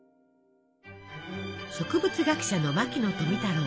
植物学者の牧野富太郎。